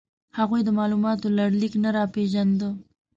هغوی د مالوماتو لړلیک نه پېژانده.